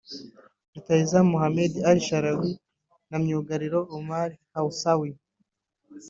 rutahizamu Mohammad Al-Sahlawi na myugariro Omar Hawsawi